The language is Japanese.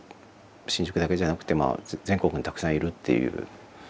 新宿だけじゃなくて全国にたくさんいるっていう。